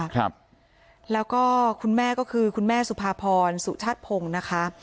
ครับแล้วก็คุณแม่ก็คือคุณแม่สุภาพรสุชาติพงศ์นะคะ